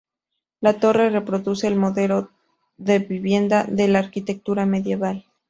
La torre reproduce el modelo de vivienda de la arquitectura medieval.